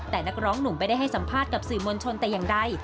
แต่นักร้องหนุ่มไม่ได้ให้สัมภาษณ์กับสื่อมวลชนแต่อย่างใด